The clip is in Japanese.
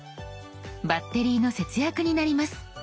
バッテリーの節約になります。